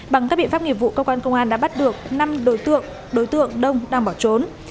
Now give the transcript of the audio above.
bằng các biện pháp nghiệp vụ cơ quan công an đã bắt được năm đối tượng đối tượng đông đang bỏ trốn